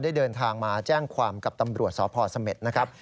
ได้เดินทางมาแจ้งความกับตำรวจสพเสม็ดนะครับ